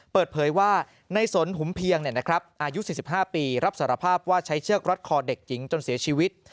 เปิดเผยว่าในสนหุมเพียงอายุ๔๕ปีรับสารภาพว่าใช้เชือกรัดคอเด็กหญิงจนเสียชีวิต